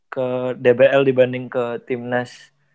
ke dbl dibanding ke timnas